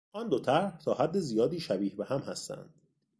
آن دو طرح تا حد زیادی شبیه به هم هستند.